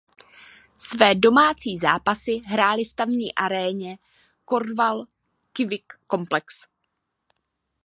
Své domácí zápasy hráli v tamní aréně Cornwall Civic Complex.